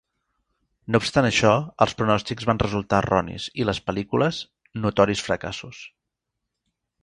No obstant això els pronòstics van resultar erronis i les pel·lícules, notoris fracassos.